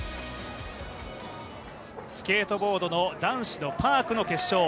スケートボードの男子のパークの決勝。